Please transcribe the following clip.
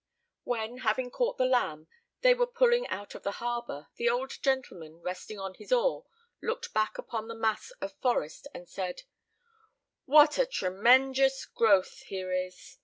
'" When, having caught the lamb, they were pulling out of the harbor, the old gentleman, resting on his oar, looked back upon the mass of forest, and said, "What a tremenjus growth here is!